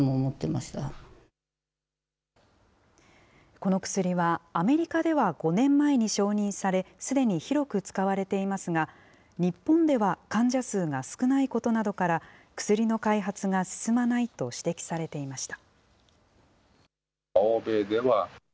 この薬は、アメリカでは５年前に承認され、すでに広く使われていますが、日本では患者数が少ないことなどから、薬の開発が進まないと指摘されていました。